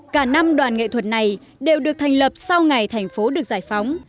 cả năm đoàn nghệ thuật này đều được thành lập sau ngày thành phố được giải phóng